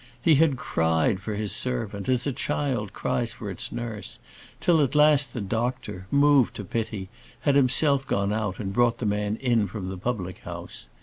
He had cried for his servant, as a child cries for its nurse, till at last the doctor, moved to pity, had himself gone out and brought the man in from the public house.